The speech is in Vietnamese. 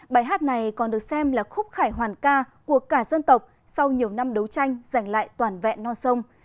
bài hát này còn được xem là khúc khải hoàn ca của cả dân tộc sau nhiều năm đấu tranh giành lại toàn vẹn non sông